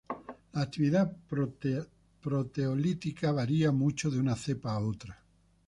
La actividad proteolítica varía mucho de una cepa a otra.